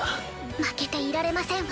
負けていられませんわ。